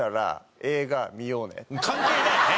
関係ないね！